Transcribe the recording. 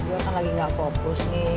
dia kan lagi gak fokus nih